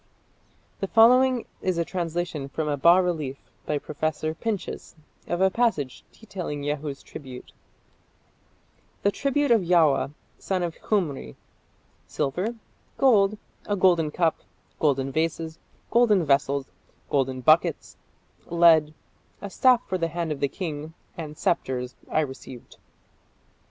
The following is a translation from a bas relief by Professor Pinches of a passage detailing Jehu's tribute: The tribute of Yaua, son of Khumri: silver, gold, a golden cup, golden vases, golden vessels, golden buckets, lead, a staff for the hand of the king (and) sceptres, I received.